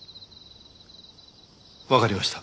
わかりました。